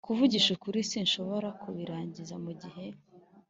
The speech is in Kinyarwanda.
kuvugisha ukuri, sinshobora kubirangiza mugihe.